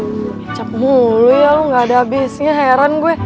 kecap mulu ya lo gak ada abisnya heran gue